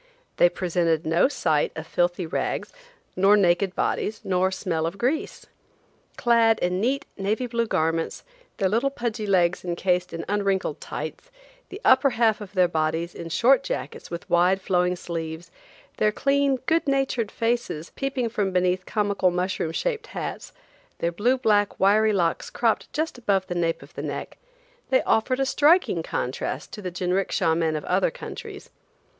They presented no sight of filthy rags, nor naked bodies, nor smell of grease. Clad in neat navy blue garments, their little pudgy legs encased in unwrinkled tights, the upper half of their bodies in short jackets with wide flowing sleeves; their clean, good natured faces, peeping from beneath comical mushroom shaped hats; their blue black, wiry locks cropped just above the nape of the neck, they offered a striking contrast to the jinricksha men of other countries.